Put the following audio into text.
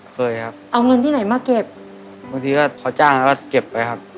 เคยครับเอาเงินที่ไหนมาเก็บบางทีก็พอจ้างแล้วก็เก็บไว้ครับ